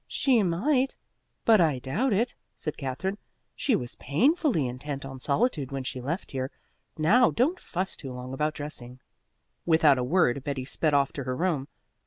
"She might, but I doubt it," said Katherine. "She was painfully intent on solitude when she left here. Now don't fuss too long about dressing." Without a word Betty sped off to her room.